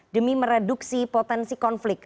demi mereduksi potensi konflik